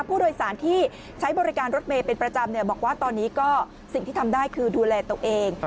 ผู้โดยสารที่ใช้บริการรถเมย์เป็นประจำบอกว่าตอนนี้ก็สิ่งที่ทำได้คือดูแลตัวเอง